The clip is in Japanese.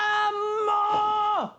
もう！